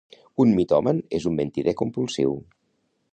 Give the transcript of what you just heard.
Un mitòman és un mentider compulsiu